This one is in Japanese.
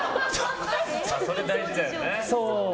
それ大事だよね。